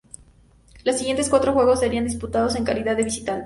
Los siguientes cuatro juegos serían disputados en calidad de visitante.